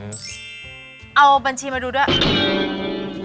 เอาบัญชีมาดูด้วย